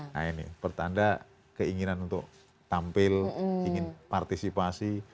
nah ini pertanda keinginan untuk tampil ingin partisipasi